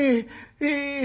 ええ。